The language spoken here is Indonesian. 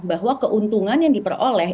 bahwa keuntungan yang diperoleh